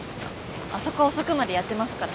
あそこは遅くまでやってますから。